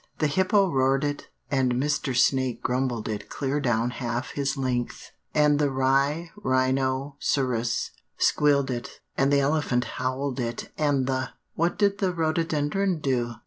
The Hippo roared it, and Mr. Snake grumbled it clear down half his length, and the rhi rhino cerus squealed it, and the elephant howled it, and the" "What did the rhododendron do?"